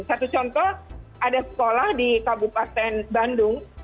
satu contoh ada sekolah di kabupaten bandung